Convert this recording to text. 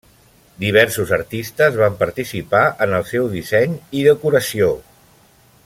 Diversos artistes van participar en el seu disseny i decoració.